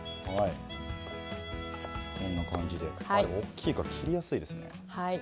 こんな感じで大きいから切りやすいですね。